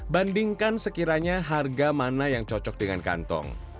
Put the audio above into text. bandingkan sekiranya harga mana yang cocok dengan kantong